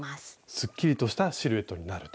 すっきりとしたシルエットになると。